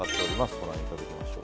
ご覧いただきましょう。